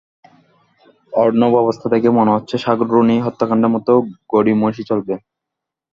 অরনভঅবস্থা দেখে মনে হচ্ছে, সাগররুনি হত্যাকাণ্ডের মতো গড়িমসি চলবে।